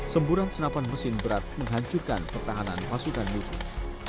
semburan senapan mesin berat menghancurkan pertahanan pasukan musuh